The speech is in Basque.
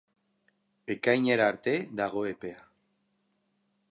Ekainera arte dago epea.